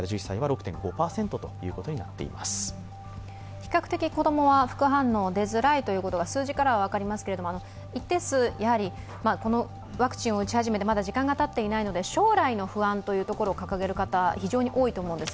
比較的、子供は副反応が出づらいことが数字からは分かりますけれども、一定数、このワクチンを打ち始めてまだ時間がたっていないので将来の不安というところを掲げる方、多いと思うんです。